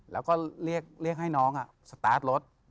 แล้วก็เรียกให้น้องสตาร์ทรถ